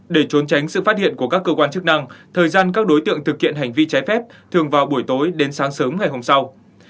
để trốn tránh sự phát hiện của các cơ quan chức năng thời gian các đối tượng thực hiện hành vi trái phép thường vào buổi tối đến sáng sớm ngày hôm sau